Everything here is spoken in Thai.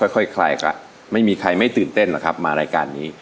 ค่อยคลายกันไม่มีใครไม่ตื่นเต้นหรอกครับมารายการนี้